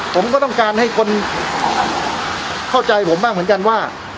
ผมก็ต้องการให้คนเข้าใจผมบ้างเหมือนกันว่า